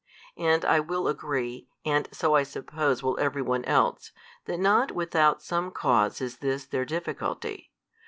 And I will agree, and so I suppose will every one else, that not without some cause is this their difficulty.